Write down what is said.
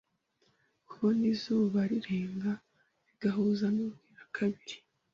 Kubona izuba rirenga bigahuza n’ubwirakabiri